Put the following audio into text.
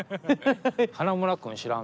「花村くん知らん？」